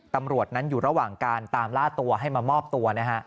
ตำรวจนั้นอยู่ระหว่างการตามล่าตัวให้มามอบตัวนะฮะ